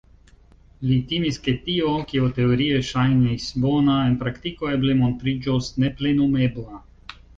Li timis, ke tio, kio teorie ŝajnis bona, en praktiko eble montriĝos neplenumebla.